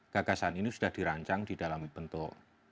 gagasan ini sudah dirancang di dalam bentuk